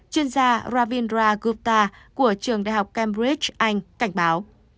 chuyên gia ravindra gupta của trường đại học cambridge anh cảnh báo